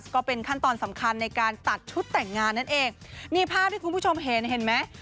ก็เป็นขั้นตอนสำคัญในการตัดชุดแต่งงานนั่นเองนี่ภาพที่คุณผู้ชมเห็นเห็นไหม